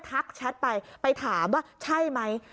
ทักชัดไปไปถามว่าใช่ไหม